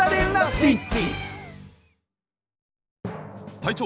隊長！